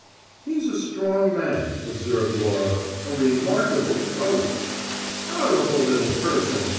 "He's a strong man," observed Laura. "A remarkable throat." "Horrible little person!"